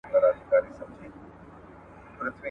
موږ به په ټولو اقتصادي برخو کي ځلانده واوسو.